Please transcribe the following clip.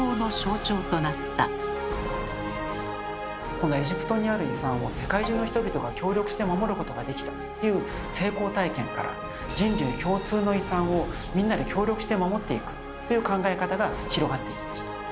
このエジプトにある遺産を世界中の人々が協力して守ることができたという成功体験から「人類共通の遺産」をみんなで協力して守っていくという考え方が広がっていきました。